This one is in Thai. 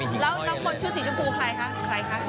แล้วคนชุดสีชมพูใครคะใครคะ